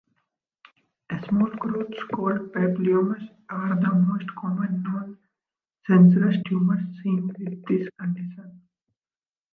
Small growths called papillomas are the most common noncancerous tumors seen with this condition.